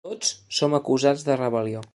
Tots són acusats de rebel·lió.